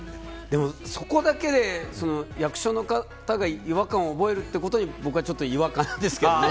そこだけ、役所の方が違和感を覚えるということに僕はちょっと違和感ですけどね。